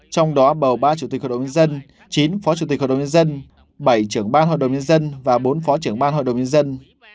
trong đó bầu ba chủ tịch hội đồng nhân dân chín phó chủ tịch hội đồng nhân dân bảy trưởng ban hội đồng nhân dân và bốn phó trưởng ban hội đồng nhân dân